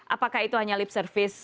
apakah itu hanya lip service